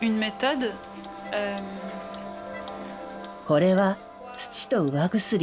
これは土と釉薬。